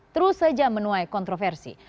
terus saja menuai kontroversi